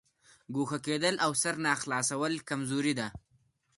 ګوښه کېدل او سر نه خلاصول کمزوري ده.